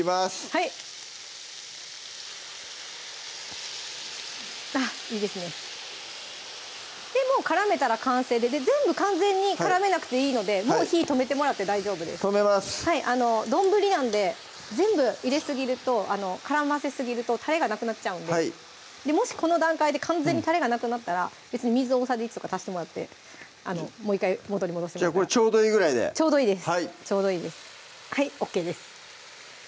はいあっいいですねでもう絡めたら完成で全部完全に絡めなくていいのでもう火止めてもらって大丈夫です止めます丼なんで全部入れすぎると絡ませすぎるとたれがなくなっちゃうんでもしこの段階で完全にたれがなくなったら水大さじ１とか足してもらってもう１回元に戻すみたいなじゃあちょうどいいぐらいでちょうどいいですはいＯＫです